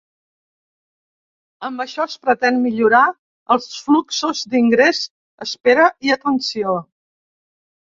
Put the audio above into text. Amb això es pretén millorar els fluxos d’ingrés, espera i atenció.